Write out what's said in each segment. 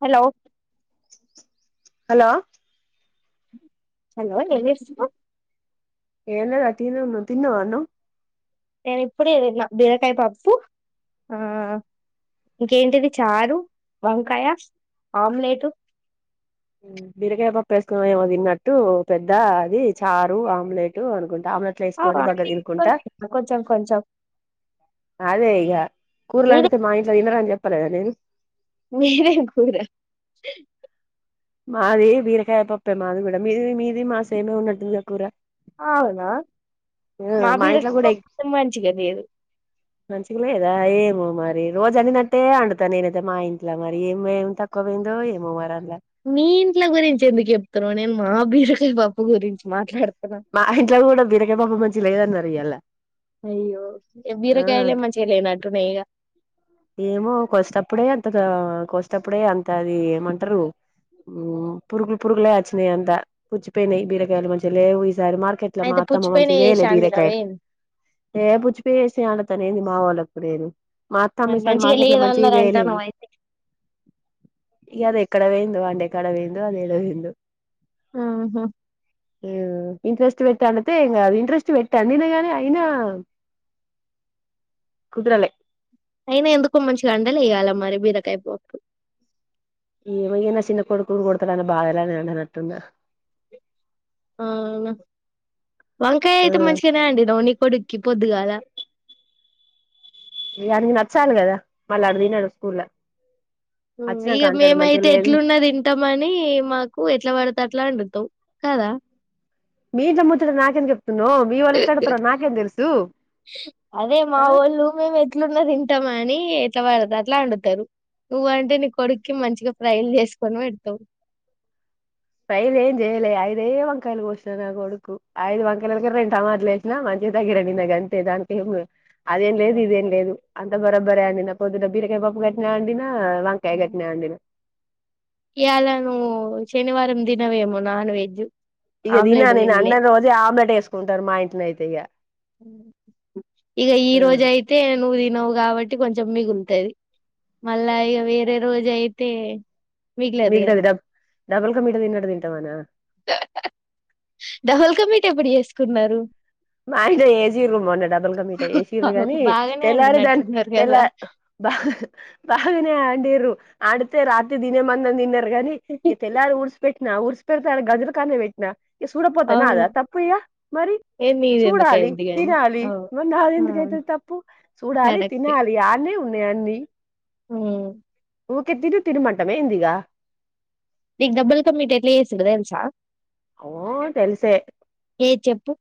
Hello hello hello ఏంచేస్తునవ్ ఎం లేద్ వట్టిగనే ఉన్నం తిన్నావా అన్నం నేను ఇప్పుడే తిన్న బీరకాయ పప్పు ఆ ఇంకేంటిది చారు వంకాయ ఆంమ్లెట్ బిరకాయ పప్పు ఎసుకుని ఏమో తిన్నట్టు పెద్ద అది చారు ఆమ్లెట్ అనుకుం ఆమ్లెట్లు ఎసుకొని బగ్గ అవన్నీ తినుకుంటా కొంచెం కొంచెం అదే ఇగ మీరే కూరలండితే మా ఇంట్ల తినరని చెప్పలేదా నేను మీది ఎం కూర మాది బీరకాయ పప్పే మాది కూడా మీది మీది మాసేమె ఉన్నట్టుంది గ కూర అవునా ఆ మా ఇంట్లో బీరకాయ కూడా పప్పు అయితే మంచిగా లేదు మంచిగా లేదా ఏమో మరి రోజు అండినట్టే అండుతా నేనైతే మా ఇంట్ల మరి ఏమేమి తక్కువ ఏందో ఏమో మరి అండ్ల మీ ఇంట్ల గురించి ఎందుకు చెప్తున్నావ్ నేను మా బీరకాయ పప్పు గురించి మాట్లాడుతా మా ఇంట్ల కూడా బీరకాయ పప్పు మంచిగ లేదన్నారు ఇయ్యాల్ల అయ్యో ఇగ బీరకాయలే మంచిగా లేనట్టు ఉన్నాయ్ గా ఏమో కోసేటప్పుడే అంతగా కోసేటప్పుడే అంత అది ఏమంటారు ఉమ్ పురుగులు పురుగులె అచ్చినయి అంత పూచ్చిపోయినాయి బీరకాయలు మంచిగా లేవు ఈ సా సార్రి మార్కెట్ల మా అయితే అత్తమ్మ పుచ్చిపోయిన మంచి దెలే బీరకాయలు చేసాండినవేం ఏ పూచ్చిపోఎశిన అండ్ అనేది మా వొళ్ళకు లేదు త్తమ్మ మరి ఈ సారి మంచిగా మార్కెట్ల మంచియి లేదన్నారు తేలేదు అంటానవ్ అయితే ఇగ అది ఎక్కడ పొయిందో అండే కాడ పొయిందో అది ఎడ పొయిందో అహ్మ్ ఇంట్రెస్ట్ పెట్టి అండితే ఎం కాదు ఇంట్రెస్ట్ పెట్టి వండిగాని అయినా కుదరలే అయినా ఎందుకో మంచిగా వండలే ఇయాల మరి బీరకాయ పప్పు ఏమో ఇగ నా చిన్న కొడుకుని కొడుత డన్న బాధలనేన్ అండ నట్టున్న ఆ అవునా వంకాయ అయితే మంచిగానే వండినవ్వు ని కొడుక్కి పొద్దుగాల ఇగ ఆనికి నచ్చాలి కదా మళ్ళీ అడు తినడు స్కూల్ల్ల ఉమ్ ఇగ మేమైతే ఎట్లున్న తింటామని మాకు ఎట్లా పడుతే అట్లా అండుతావ్ కాదా మీ ఇంట్ల ముచ్చట నాకెందుకు చెప్ అదే మా ఆ వొళ్ళు మేము ఎట్లున్న తింటాం అని ఎట్లా వాడితే అట్లా వండుతారు. నువ్వు అంటే నీ కొడుక్కి మంచిగా ఫ్రైలు చేసుకొని పెడతావు. ఫ్రై ఎం చేయాలే ఐదే వంకాయలు కోసినా నా కొడుకు ఐదు వంకాయలకి రెండు టమాటాలు యేసిన. ఆహ్ మంచిగా [unintelligible] దానికి ఏంలే అది ఏం లేదు ఇది ఏం లేదు. అంత బరాబర్ ఆడిన పొద్దున బీరకాయ పప్పు గట్టిన వండిన ఆహ్ వంకాయ గట్టిన అండి. ఇయాల నువు శనివారం దినవేమో నాన్ వెజ్ ఇగ దినా ఆమ్లెట్ నేను తినలే అండన్ రోజే ఆమ్లెట్ ఎసుకుంటరు మా ఇంట్ల అయితే ఇగ ఇగ ఈ రోజయితే నువు దినవ్ గవ ట్టి కొంచెం మిగులుతది మళ్ళా ఇగ వేరే రోజయితే మిగలదు కద మిగిలినది డబ్ డబుల్ కమీట తిన్నట్డు తింటం అనా. డబల్ కమీట ఎప్పుడు చేసుకున్నారు. మా ఆయన చేసిండు మొన్న డబల్ క మీఠా చేసిండు కానీ బాగానే తెల్లారేసరి అండినట్టున్నారు తెల్ల. గదా! బాగ బాగనే అండిరు. ఆడితే రాత్రి తినేమన్నా తిన్నరు గాని ఇగ తెల్లారి ఊడ్సి పెట్టినా ఊడ్సి. పెడతాలకే గజులకనే పెట్నా సూడకపోతే నాద అవును. తప్పు ఇగా మరి. ఏ చూడాలి నీదెందుకైద్ది గాని. తినాలి అవును. మరి ఆ! నాదెందుకైతది తప్పు చూడాలి తినాలి ఆన్నే ఉన్. ఉన్నయన్ని. ఉమ్. ఊకే తిను తినమంటమ ఏందిగా. నీకు డబల్ క మీట ఎట్లా చేస్తారో తెలుసా. ఓ తెలుసే. ఏ చెప్పు.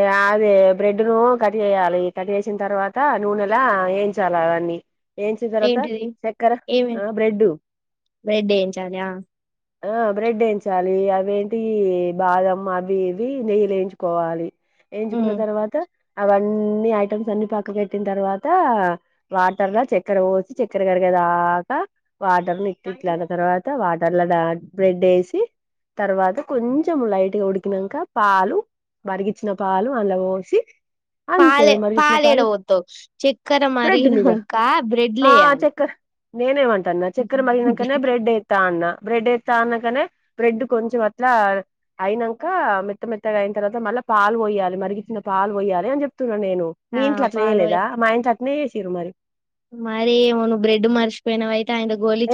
ఏ అదే బ్రెడ్ ను కట్ చేయాలి కట్ చేసిన తర్వాత నూనెలా ఎంచాల. అని. ఏంచిన తర్వాత ఏంటిది? చక్కెర ఏమేం? ఆహ్ బ్రెడ్డు. బ్రెడ్ ఏయించాలి. ఆ! ఆహ్ బ్రెడ్ ఏంచాలి అవేంటి బాదం అవి ఇవి నెయ్యిల వేయించుకోవాలి ఎయించుకున్న హ్మ్. తర్వాత. అవన్నీ ఐటమ్స్ అన్ని పక్కకు పెట్టిన తర్వాత వాటర్ లో చక్కెర పోసి చక్కెరగా. చక్కెర కరిగేదాకా వాటర్ల ఇట్లా ఇట్లా అన్న తర్వాత వాట్. చల్ల దాంట్లో బ్రెడ్ యేసి తర్వాత కొంచెం లైట్ గా ఉడికినంక పాలు. మరిగిచ్చిన పాలు అందులో పోసి. అంతే పాలే మరిగిచ్చిన పాలేడ పాలు పోత్తవు? చక్కెర బ్రెడ్ మీద మరిగినంక ఆహ్ బ్రెడ్‌లేయాలె. చక్కర. నేనేమంటాన్న చక్కెర మరిగినంకనే బ్రెడ్ ఎత్తా అన్న. బ్రెడ్ ఎత్తా అన్నంకనే బ్రెడ్ కొంచెం అట్లా అయినంక మెత్త మెత్తగా అయి. తర్వాత మళ్ళ పాలు పోయాలి మరిగిచ్చిన పాలు పోయాలి అని చెప్తున్న నేను ఆ! మీ ఇంట్లో అట్ల చేయలేదా మా ఇంట్లా అట్ల. నెషిండ్రు మరి. మరెమొ నువ్వు బ్రెడ్ మర్షిపోయినవు అయి.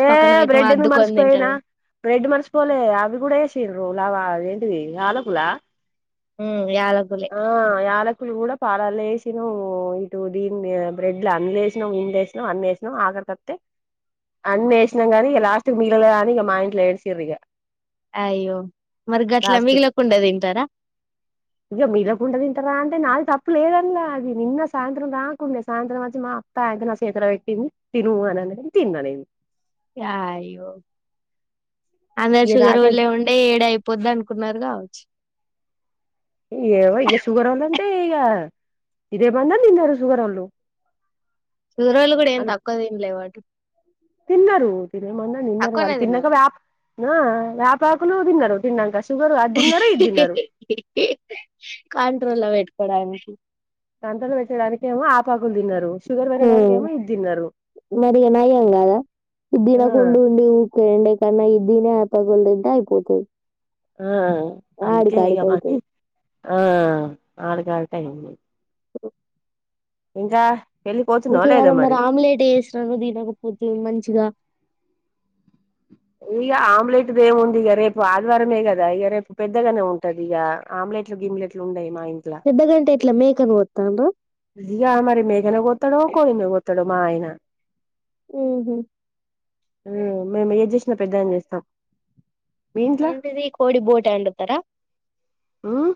ఏ బ్రెడ్ ఎందుకు మరచిపోయినా తింటవేమో. బ్రెడ్ మరిచిపోలే అవి కూడా ఎసి. రోలా ఆహ్ అదెంటిది యాలకులా. ఉమ్. ఆహ్ యాలక్. యలకులు కూడా పాలాల్లేసినం ఇటు దీన్ని బ్రెడ్లు అన్ని వేసినం విందేసినం అన్నేసినం ఆక్. ఐతే అన్ని వేసినాం గానీ ఇగ లాస్టు కు మిగల లేదు అని ఇగ మా ఇంట్లో ఏడిసిర్రు ఇగ. అయ్యో మరి గట్లా లాస్ట్ మిగలకుండదింటరా. ఇగ మిగలకుండదింటారా అంటే నాది తప్పు లేదంలా అది నిన్న సాయంత్రం దాకుండే సాయంత్రం వచ్చి మా అత్త. అయితే నా చేతుల్లా పెట్టింది తిను అని అన్నది తిన్న నేను. అయ్యో. అందరు ఇక నాకే షుగరోల్లే ఉండే ఏడ అయిపోద్ది అనుకున్నరు కావచ్చు. ఏమో ఇగ షుగర్ ఉందంటె ఇగ. ఈ బందం తింటార షుగరోల్లు. ఊరోలు కూడా ఏం తక్కువ తింలే వటు. తిన్నరు తినేమన్నా తిన్నారు తక్కువనే వాళ్ళు తిన్నాంక తిన్నారా వ్యాప్ వ్యాపకులు తిన్నరు తిన్నంక కంట్రోలా పెట్టుకోవడాన్ని సంతలో పెట్టడానికేమో ఆపాకులు తిన్నారు. షుగర్ పెట్టడానికేమో ఇది తిన్నరు. మరిగనయ్యంగాదా ఇది ఆ తినకుండుండి ఊకె ఉండేకన్న ఇది తినా. పక్కక్కేళ్ళీ తింటేే అయిపోతది. ఆ అందుకే ఇక ఆడికాడికి మా అయితది ఆ ఆడికాడికయ్యింది ఇంకా పెళ్ళిపోతున్నావ లేదా ఇంకేయాలమరి మరి ఆమ్లెట్ వేసినను తినకపోతివి మంచిగా ఇగ ఆమ్లెట్ దేముంది ఇగ రేపు ఆదివారమే కదా ఇగ రేపు పెద్దగనే ఉంటది ఇగ ఆమ్లె ట్లు గిమ్లెట్లు ఉండయి మా ఇంట్ల పెద్దగంటే ఎట్లా మేకను కోత్తండ్ర అదిగాదుమరి మేకనే కోతడో కోడినే కోతడో మాఆయన ఉంహు ఉమ్ మేమేది జెస్నా పెద్దగనే చేస్తం ఏంటిది కోడి బోటి ఒండుతరా ఉమ్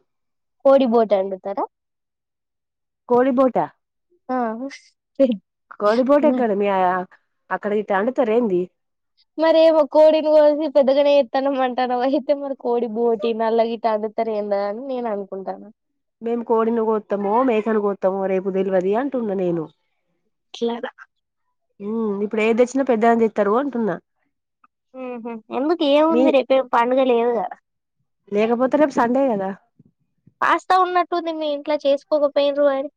కోడి బోటి ఒండుతర కోడి బోటా ఆహ్ కోడి బోటెక్కడమి ఆ అక్కడ గిట ఒండుతర ఏంది మరేమో కోడిని కోసి పెద్దగనే ఎత్తాన్నవంటకద అయితే మరి కోడి బోటి నల్ల గీట ఒండుతరెందాని నేననుకుంటాన మేము కోడిని కోత్తమో మేకను కోత్తమో రేపు తెలువది అంటున్న నేను ఇట్లదా ఉమ్ ఇప్పుడేది తెచ్చినా పెద్దగనే చేత్తరు అంటున్నా ఉహ్మ్ మీ ఎందుకేముంది రేపేం పండుగ లేదు కదా లేకపోతే రేపు సండే కదా పాస్తా ఉన్నట్టుంది మీ ఇంట్లా చేసుకోకపోయిండ్రు మరి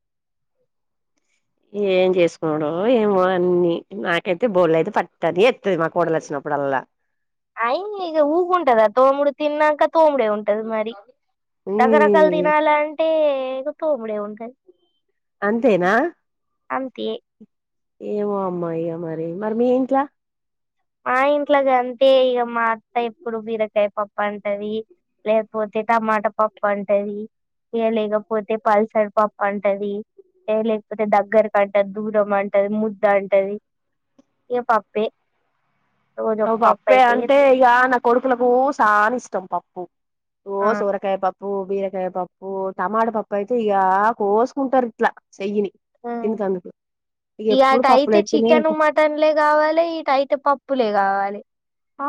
ఏం చేసుకునుడో ఏమో అన్నీ నాకైతే [unintelligible] ఇతదీ మా కోడలు వచ్చినప్పుడ ప్పుడల్లా అయ్ ఇగ ఊకుంటాదా తోముడు తిన్నంక తోముడే ఉంటది మరి రకరకాలు ఉమ్ తినాలంటే తోముడే ఉంటది అంతేనా అంతే ఏమో అమ్మా ఇగ మరి మరి మీ ఇంట్లా మా ఇంట్లగంతే ఇగ మా అత్త ఎప్పుడు బీరకాయ పప్పంటది లేకపోతే టమాట పప్పంటది ఇగ లేకపోతే పల్సర్ పప్పంటది ఏది లేకపోతే దగ్గరకంటది దూరమంటది ముద్దంటది ఇగ పప్పే రోజు ఒక పప్పు పప్పే అయితే అంటే చేత్తది ఇగా నా కొడుకులకు సానిష్టం పప్పు ఓ ఆ సోరకాయ పప్పూ బీరకాయ పప్పూ టమాట పప్పైతే ఇగా కోసుకుంటారు ఇట్లా తింటందుకు ఇగ అటయితే చికెను మటన్లే కావాలి ఇటైతే పప్పులే కావాలి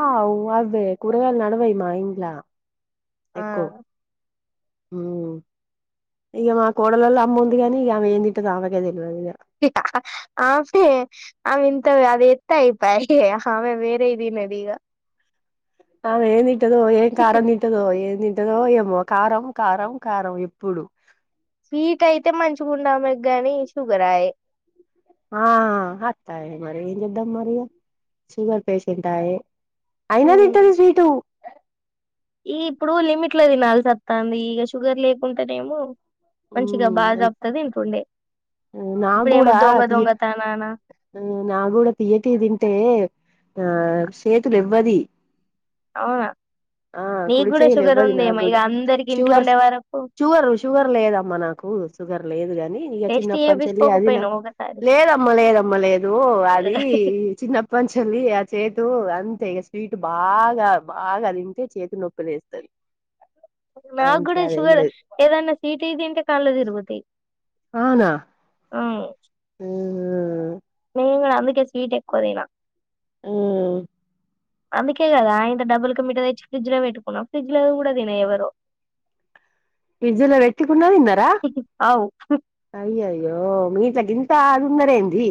ఆవ్ అవ్వే కూరగాయలు నడవై మా ఇంట్ల ఆ ఉమ్ ఇగ మా కోడలోల అమ్ముంది గానీ ఇగ ఆమేం తింటదో ఆమెకే తెల్వదు ఇగ ఆమె అదింత అదేతే అయిపోయ్ ఆమె వేరేయి మదిగా ఆమేం తింటదో ఏం కారం తింటదో ఎంతి ఎదో ఏమో కారం కారం కారం ఎప్పుడు స్వీట్ అయితే మంచిగుండామెక్ గాని షుగరాఏ ఆ అతయే మరి ఏం చేద్దాం మరి షుగర్పేషంటాయే అయినా ఉమ్ తింటది స్వీటూ ఈ ఇప్పుడు లిమిట్లో తీనాల్సొత్తాంది ఇక షుగర్ లేకుంటేనేమో మంచిగా బాదొత్తడి తింటుండే ఉమ్ నా ఇప్పుడేమో గుడా దొంగ తియ దొంగతనాన నాక్ గుడా తియేటివి తింటే ఆ సేతు లేవ్వది అవ్న ఆ కుడిచేయి లేవది నాగుడ్ ఇగ అందరికి ఇంట్లో షుగర్స్ ఉండే వరకు షుగర్ షుగర్ లేదమ్మా నా కు షుగర్ అని ఇగ టెస్ట్ చిన్నప్పట్నుంచెలి అదిన చేపించుకోకపోయినావు ఒకసారి లేదమ్మ లేదమ్మ లేదు అది చిన్నప్పనుంచి ఉంది చేతు అంతే ఇగ స్వీట్ బాగా బాగా తింటే చేతి నొప్పి లేస్తది నా అంతే గుడా అదేం షుగర్ లేదు ఏదన్నా తీపియి తింటే కళ్లు తిరుగుతై అవనా ఆహ్ ఉమ్ ఇంగ అందుకే స్వీట్ ఎక్కువదినా ఉమ్ అందుకే కదా ఇంత డబల్కామీట దెచ్చి ఫ్రిడ్జల వెట్టుకున్నా ఫ్రిడ్జ్ లోది గుడ తినే ఎవరో ఫ్రిడ్జ్ ల వెట్టుకున్నా తిన్నారా అవు అయ్యాయో మీ గింత అదిన్నర్ ఏంది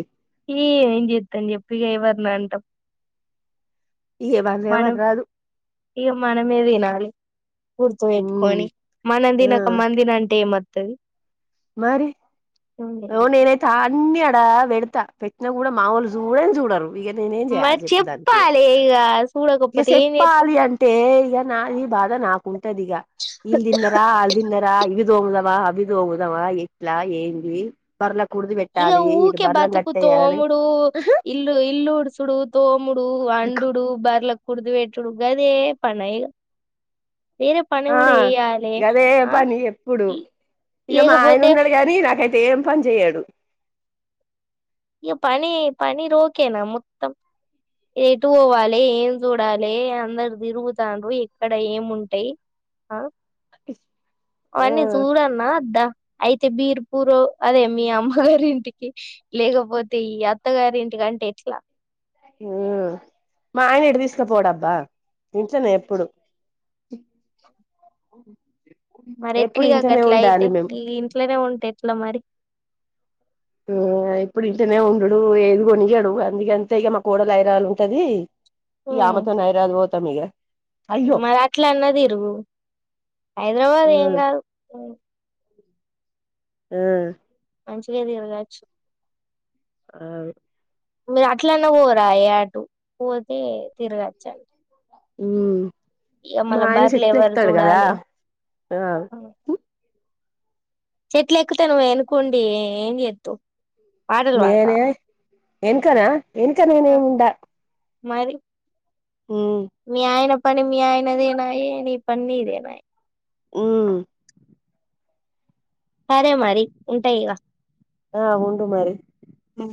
ఏ ఏం జెత్తం జెప్పు ఇగ ఎవర్నంటం ఇగ వాళ్ళెవర్ రారు ఇక మనమే తినాలె గుర్తు ఉమ్ వెట్టుకొని మనం ఆ తినక మందినంటే ఏమో తది మరి అగో నేనైతే అన్ని అ న్ల వెడతా పెట్నగుడా మావోలు చూడన్ చూడరు ఇగ నేనేం చేయాలి మరి చెప్పు దానికి చెప్పాలి ఇగ ఇగ చూడకపోతే ఏం చేస్తాం సెప్పాలి అంటే ఇగ నా ఈ బాధ నాకుంటదిగ ఇల్ దింనరా అల్ దింనరా ఇవి దోముదమా అవి దోము దామ ఎట్లా ఏందీ పర్ల ఇగో ఊకే బతుకు తోముడు ఇల్ ఇల్లుడ్సుడు తోముడు వండుడు బర్లక్ కుడుదు వేట్టుడు గదే పన ఇగ వేరే పని ఆ గుడ ఏయ్యాలె ఆహ్ ఉ ఇగ మా ఆయన ఉన్నాడు గాని నాకైతే ఏం పని చెయడు ఇగ పని పని రోకేనా మొత్తం ఎటు పోవలె ఏం జూడాలే అందరు తిరుగుతానరు ఎక్కడ ఏం ఉంటాయి ఆ ఆ అవ్వని చూడన్నా ఒద్ద అయితే బీర్పూరో అదే మీ అమ్మగారింటికి లేకపోతే ఈ అత్తగారింటికి గంటే ఎట్లా ఉమ్ మా ఆయన ఎటు తీస్కపోడబ్బా ఇంట్లనే ఎప్పుడు మరి ఎప్పుడు ఎట్లిగ ఇంట్లోనే గట్లా అయితే ఉండాలి మేము ఈ ఇంట్లనే ఉంటే ఎట్లా మరి ఆ ఇప్పుడు ఇంటనే ఉండుడు ఆది కొనియాడు అందుకే అంత్త ఇగ మా కోడల్ అయిరాన్ ఉంటది ఇగ ఉమ్ ఆమెతోనే అయిరాన్ పోతం ఇగ మరి అట్లాన్న తిరుగు హైదరాబాద్ ఆ ఏం గాదు ఆ మంచిగ తిర్గచ్చు ఆమే మీరు అట్లనా పోయారాయి అటు పోతే తీర్గచుంతా ఉమ్ మా ఆయన బర్లు చెట్లు ఎవరు ఎకుతాడు కదా చూడాలి ఆ ఉ చెట్టులు ఎక్కితే నువ్వు ఎనుకోండి ఏం చేస్తావు పాటలు వాడతవ ఏన్కనా ఏన్కన నేనుండ మరి మీ ఆయన పని మీ ఆయనదేనాయి ని పని నీదేయా ఉమ్ సరే మరి ఉంటా ఇగ ఆ ఉండు మరి ఆ